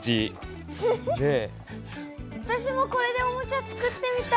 わたしもこれでおもちゃつくってみたい！